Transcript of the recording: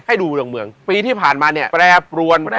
ให้ดูบนดงเมืองปีที่ผ่านมาเนี่ยแปรปรวนปั่นปวน